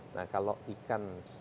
nah kalau ikan